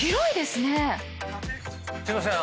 すいません。